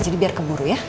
jadi biar keburu ya